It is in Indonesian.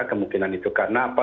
kemungkinan itu karena apa